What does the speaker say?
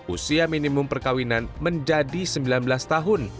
usia minimum perkawinan menjadi sembilan belas tahun